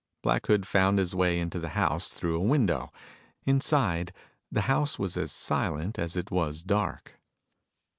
Black Hood found his way into the house through a window. Inside, the house was as silent as it was dark.